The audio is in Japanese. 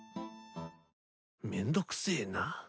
めんどくせえな。